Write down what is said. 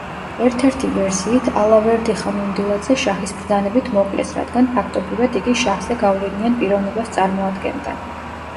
ერთ-ერთი ვერსიით, ალავერდი-ხან უნდილაძე შაჰის ბრძანებით მოკლეს, რადგან ფაქტობრივად იგი შაჰზე გავლენიან პიროვნებას წარმოადგენდა.